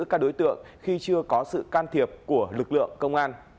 các đối tượng khi chưa có sự can thiệp của lực lượng công an